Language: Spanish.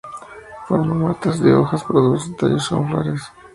Forma matas de hojas y produce tallos con flores.